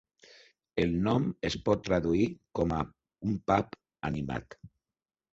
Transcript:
El nom es pot traduir com a "un pub animat".